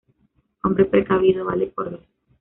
Hombre precavido, vale por dos